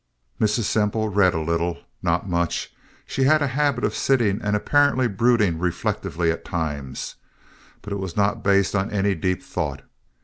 Mrs. Semple read a little—not much. She had a habit of sitting and apparently brooding reflectively at times, but it was not based on any deep thought.